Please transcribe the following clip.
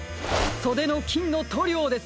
そでのきんのとりょうです！